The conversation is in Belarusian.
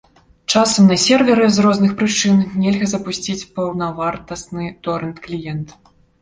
Часам на серверы з розных прычын нельга запусціць паўнавартасны торэнт-кліент.